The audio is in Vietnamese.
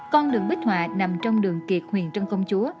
con đường bích họa nằm trong đường kiệt huyện trân công chúa